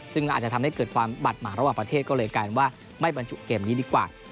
ซึ่งอาจจะทำให้เกิดความบาดหมางระหว่างประเทศก็เลยกลายเป็นว่าไม่บรรจุเกมนี้ดีกว่า